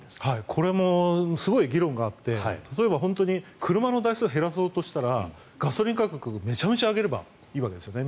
これもすごい議論があって例えば、本当に車の台数を減らそうとしたらガソリン価格をめちゃめちゃ上げればいいわけですね。